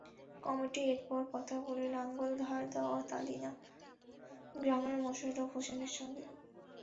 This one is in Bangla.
কমিটি এরপর কথা বলে লাঙল ধার দেওয়া তালিনা গ্রামের মোশারফ হোসেনের সঙ্গে।